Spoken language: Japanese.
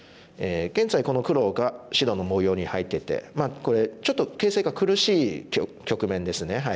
現在この黒が白の模様に入っててまあこれちょっと形勢が苦しい局面ですね。